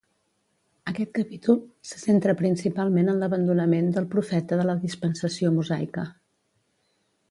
Aquest capítol se centra principalment en l'abandonament del profeta de la dispensació mosaica.